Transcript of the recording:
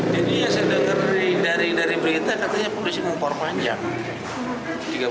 jadi ya sedang terhindari hindari berita katanya polisi mempor panjang